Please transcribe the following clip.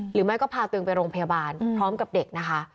หรือไม่ก็พาตึงไปโรงพยาบาลพร้อมกับเด็กนะคะ